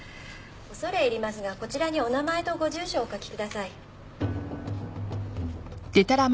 恐れ入りますがこちらにお名前とご住所をお書きください。